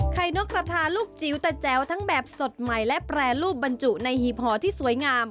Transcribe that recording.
นกกระทาลูกจิ๋วแต่แจ๋วทั้งแบบสดใหม่และแปรรูปบรรจุในหีบหอที่สวยงาม